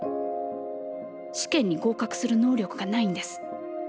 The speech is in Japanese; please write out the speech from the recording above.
試験に合格する能力がないんです。